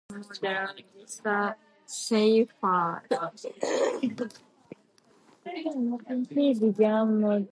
Also, he is credited with co-creating the organigraph, which is taught in business schools.